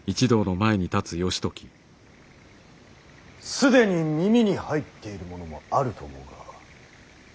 既に耳に入っている者もあると思うがこの度。